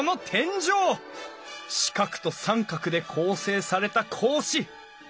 四角と三角で構成された格子。